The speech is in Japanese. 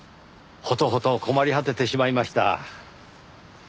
ほとほと困り果ててしまいました。